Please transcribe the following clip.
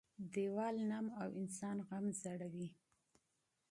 - دیوال نم او انسان غم زړوي.